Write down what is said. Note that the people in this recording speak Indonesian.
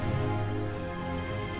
silahkan aja mas